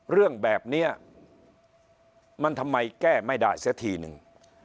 เรื่องแบบนี้มันทำไมแก้ไม่ได้เสียทีนึง